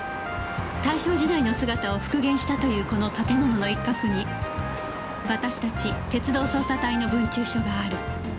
大正時代の姿を復元したというこの建物の一角に私たち鉄道捜査隊の分駐所がある